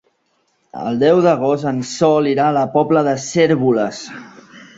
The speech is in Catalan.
El deu d'agost en Sol irà a la Pobla de Cérvoles.